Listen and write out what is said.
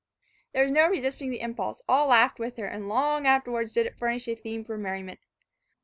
There was no resisting the impulse, all laughed with her, and long afterwards did it furnish a theme for merriment.